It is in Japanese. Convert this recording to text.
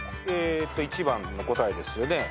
１番の答えですよね？